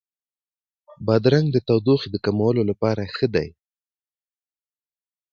بادرنګ د تودوخې د کمولو لپاره ښه دی.